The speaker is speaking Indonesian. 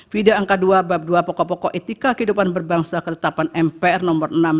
video angka dua bab dua pokok pokok etika kehidupan berbangsa ketetapan mpr no enam dua ribu dua puluh satu